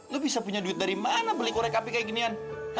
lo bisa punya duit dari mana beli korek api kayak ginian